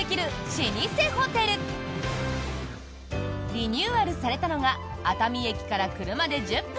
リニューアルされたのが熱海駅から車で１０分